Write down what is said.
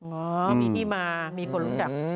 อ๋อมีที่มามีคนรู้จัก